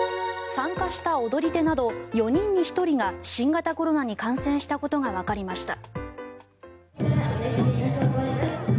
参加した踊り手など４人に１人が新型コロナに感染したことがわかりました。